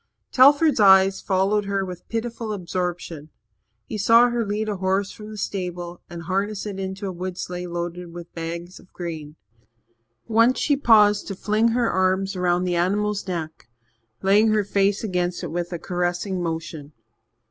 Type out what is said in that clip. Telford's eyes followed her with pitiful absorption. He saw her lead a horse from the stable and harness it into a wood sleigh loaded with bags of grain. Once she paused to fling her arms about the animal's neck, laying her face against it with a caressing motion.